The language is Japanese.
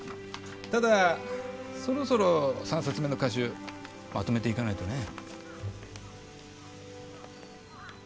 ただそろそろ３冊目の歌集まとめていかないとね。